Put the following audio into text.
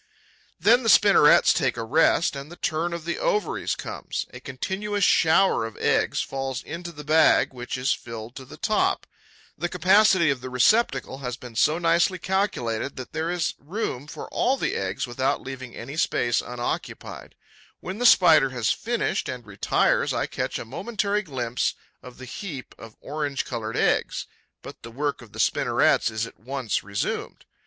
Then the spinnerets take a rest and the turn of the ovaries comes. A continuous shower of eggs falls into the bag, which is filled to the top. The capacity of the receptacle has been so nicely calculated that there is room for all the eggs, without leaving any space unoccupied. When the Spider has finished and retires, I catch a momentary glimpse of the heap of orange coloured eggs; but the work of the spinnerets is at once resumed.